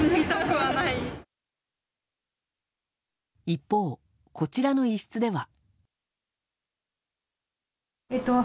一方、こちらの一室では。